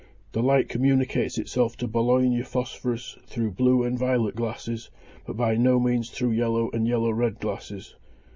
The light communicates itself to Bologna phosphorus through blue and violet glasses, but by no means through yellow and yellow red glasses.